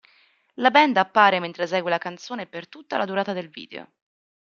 La band appare mentre esegue la canzone per tutta la durata del video.